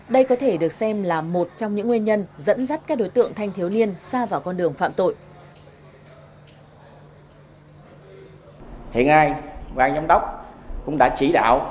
đây có thể được xem là một trong những nguyên nhân dẫn dắt các đối tượng thanh thiếu niên xa vào con đường phạm tội